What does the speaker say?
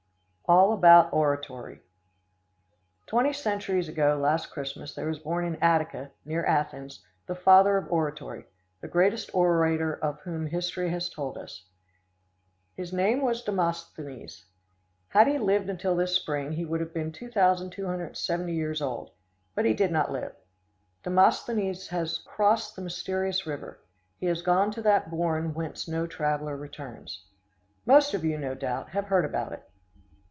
All About Oratory. Twenty centuries ago last Christmas there was born in Attica, near Athens, the father of oratory, the greatest orator of whom history has told us. His name was Demosthenes. Had he lived until this spring he would have been 2,270 years old; but he did not live. Demosthenes has crossed the mysterious river. He has gone to that bourne whence no traveler returns. Most of you, no doubt, have heard about it.